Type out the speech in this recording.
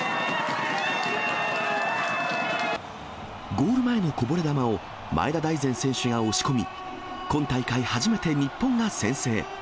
ゴール前のこぼれ球を前田大然選手が押し込み、今大会初めて日本が先制。